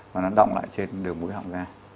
và nó động lại trên đường mũi họng ra